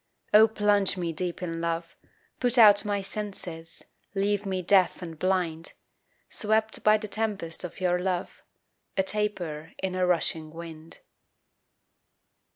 Oh plunge me deep in love put out My senses, leave me deaf and blind, Swept by the tempest of your love, A taper in a rushing wind.